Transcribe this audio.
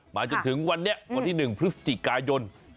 หมายถึงวันนี้วันที่หนึ่งพฤศจิกายยนต์